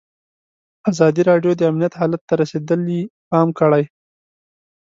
ازادي راډیو د امنیت حالت ته رسېدلي پام کړی.